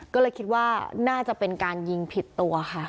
ก็เลยคิดว่าน่าจะเป็นการยิงผิดตัวค่ะ